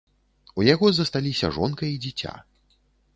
У яго засталіся жонка і дзіця.